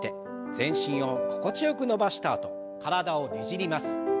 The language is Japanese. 全身を心地よく伸ばしたあと体をねじります。